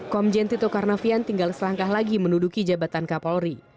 komjen tito karnavian tinggal selangkah lagi menuduki jabatan kapolri